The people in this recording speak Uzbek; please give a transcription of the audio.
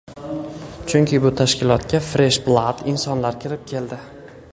Chunki bu tashkilotga «Freshblood» insonlar kirib keldi.